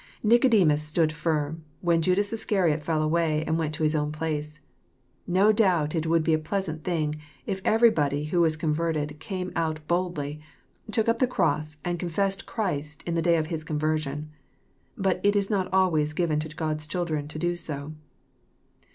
Nicodemus stood firm, when Judas Iscar iot f^ll away and went to his own place. No doubt it would be a pleasant thing, if everybody who was con verted came out boldly, took up the cross, and confessed Christ in the day of his conversion. But it is not always given to God's children to do so.